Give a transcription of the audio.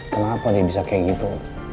kenapa dia bisa kayak gitu